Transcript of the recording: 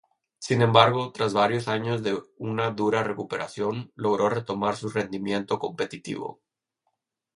Sin embargo, tras varios años de una dura recuperación, logró retomar su rendimiento competitivo.